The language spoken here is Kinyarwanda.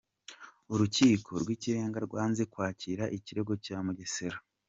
Urukiko rw’Ikirenga rwanze kwakira ikirego cya Mugesera